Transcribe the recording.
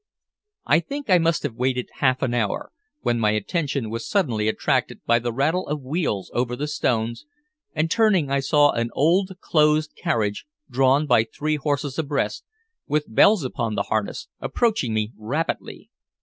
I think I must have waited half an hour, when my attention was suddenly attracted by the rattle of wheels over the stones, and turning I saw an old closed carriage drawn by three horses abreast, with bells upon the harness, approaching me rapidly.